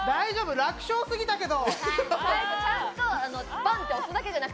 楽勝すぎたけど。